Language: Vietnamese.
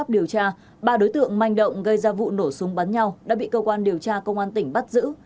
điều tra ba đối tượng manh động gây ra vụ nổ súng bắn nhau đã bị cơ quan điều tra công an tỉnh bắt giữ